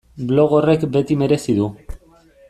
Blog horrek beti merezi du.